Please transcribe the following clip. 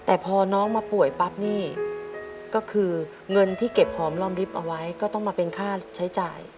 แต่พอน้องมาป่วยปั๊บนี่ก็คือเงินที่เก็บหอมรอมริบเอาไว้ก็ต้องมาเป็นค่าใช้จ่าย